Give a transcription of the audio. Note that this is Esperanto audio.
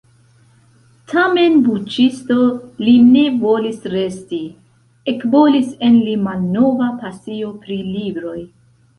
Tamen buĉisto li ne volis resti: ekbolis en li malnova pasio pri libroj.